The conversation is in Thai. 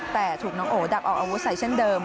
แต่ถูกน้องโอดักออกอาวุธใส่เช่นเดิม